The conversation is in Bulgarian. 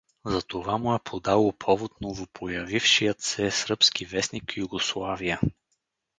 За това му е подало повод новопоявившият се сръбски вестник „Югославия“.